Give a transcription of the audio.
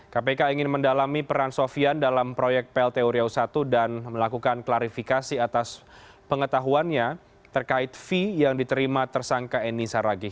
kpk ingin mendalami peran sofian dalam proyek plt uriau i dan melakukan klarifikasi atas pengetahuannya terkait fee yang diterima tersangka eni saragih